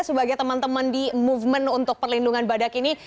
sebagai teman teman di movement untuk perlindungan badak ini